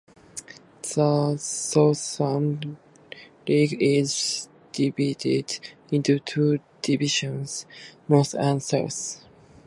The Southern League is divided into two divisions, "North" and "South".